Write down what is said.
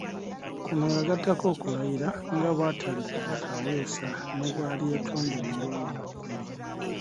Kuno yagattako okulayira nga bw'ataliddira Kaweesa ne bw'alyetonda emirundi lukumi.